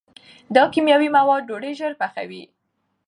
دا کیمیاوي مواد ډوډۍ ژر پخوي.